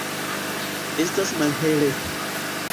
Estas malhele.